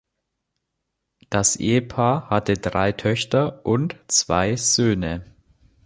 Das Ehepaar hatte drei Töchter und zwei Söhne.